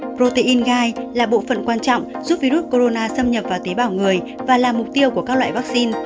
protein gai là bộ phận quan trọng giúp virus corona xâm nhập vào tế bào người và là mục tiêu của các loại vaccine